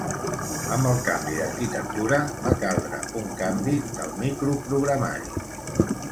Amb el canvi d'arquitectura, va caldre un canvi del microprogramari.